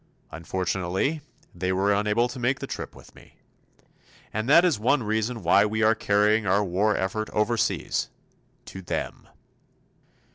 Unfortunately, they were unable to make the trip with me. And that is one reason why we are carrying our war effort overseas to them.